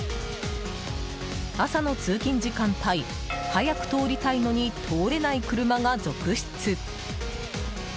朝の通勤時間帯早く通りたいのに通れない車が続出。